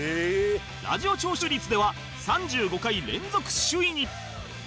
ラジオ聴取率では３５回連続首位に